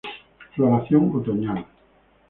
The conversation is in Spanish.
Floración otoñal.